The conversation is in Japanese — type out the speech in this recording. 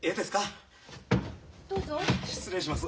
・失礼します。